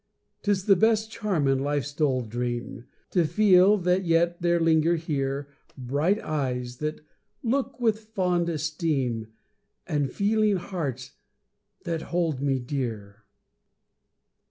'Tis the best charm in life's dull dream, To feel that yet there linger here Bright eyes that look with fond esteem, And feeling hearts that hold me dear.